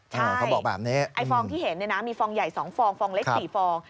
ใช่เขาบอกแบบนี้ไอ้ฟองที่เห็นเนี่ยนะมีฟองใหญ่๒ฟองฟองเล็ก๔ฟอง